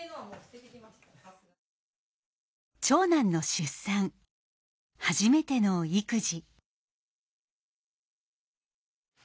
長男の出産初めての育児。